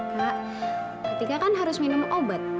kak kak tika kan harus minum obat